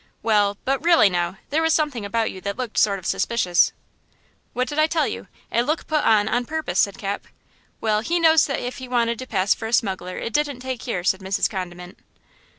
"Well, but really, now, there was something about you that looked sort of suspicious." "What did I tell you? A look put on on purpose," said Cap. "Well, he knows that if he wanted to pass for a smuggler, it didn't take here," said Mrs. Condiment.